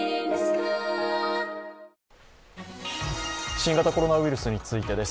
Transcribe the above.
新型コロナウイルスについてです。